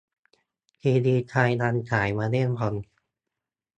ทีวีไทยยังถ่ายวอลเล่ย์บอล